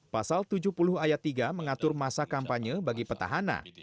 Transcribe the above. pasal tujuh puluh ayat tiga mengatur masa kampanye bagi petahana